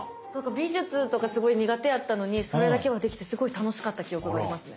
美術とかすごい苦手やったのにそれだけはできてすごい楽しかった記憶がありますね。